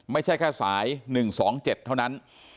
ไม่ใช่แค่สาย๑๒๗เท่านั้น